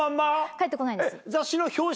返ってこないんです。